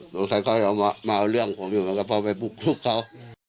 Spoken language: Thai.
หลวงใจเขามามาเอาเรื่องของผมอยู่ก็พอไปบุกลูกเขา